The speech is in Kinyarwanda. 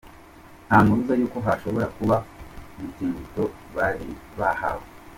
Nta mpuruza yuko hashobora kuba umutingito bari bahawe.